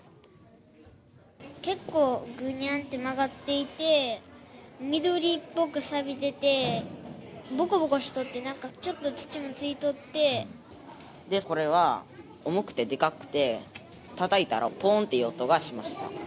結構、ぐにゃんって曲がっていて、緑っぽくさびてて、ぼこぼこしとって、で、これは重くてでかくて、たたいたらぽーんという音がしました。